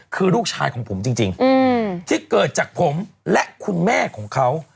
คือรูปชายของผมจริง